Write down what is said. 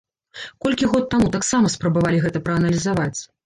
Колькі год таму таксама спрабавалі гэта прааналізаваць.